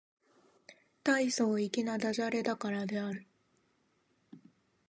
大層粋な駄洒落だからである